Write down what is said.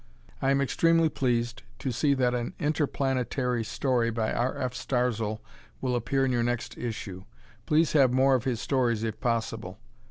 I am extremely pleased to see that an interplanetary story by R. F. Starzl will appear in your next issue. Please have more of his stories if possible.